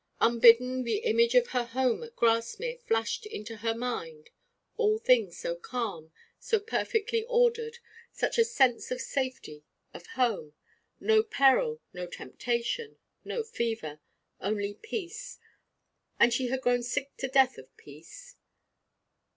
Unbidden the image of her home at Grasmere flashed into her mind all things so calm, so perfectly ordered, such a sense of safety, of home no peril, no temptation, no fever only peace: and she had grown sick to death of peace.